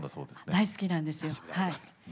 大好きなんです。